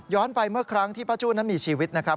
ไปเมื่อครั้งที่ป้าจู้นั้นมีชีวิตนะครับ